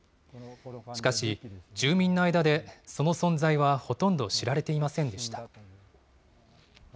しかし、住民の間で、その存在はほとんど知られていませんでした。